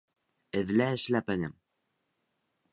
Эҙлә эшләпәне!